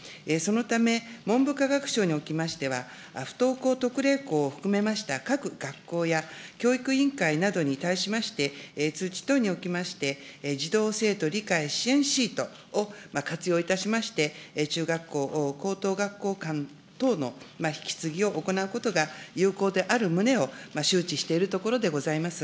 そのため文部科学省におきましては、不登校特例校を含めました各学校や教育委員会などに対しまして、通知等におきまして、児童・生徒理解支援シートを活用いたしまして、中学校、高等学校間等の引き継ぎを行うことが、有効である旨を周知しているところであります。